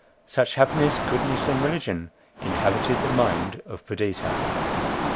Such happiness, goodness, and religion inhabited the mind of Perdita.